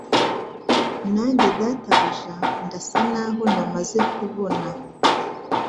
Nanjye Databuja ndasa naho namaze kubona